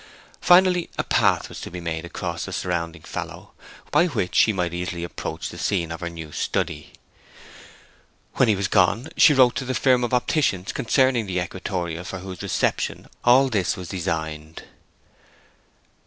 Finally, a path was to be made across the surrounding fallow, by which she might easily approach the scene of her new study. When he was gone she wrote to the firm of opticians concerning the equatorial for whose reception all this was designed.